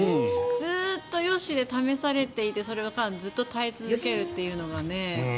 ずっと「よし！」で試されていてその間、ずっと耐え続けるというのがね。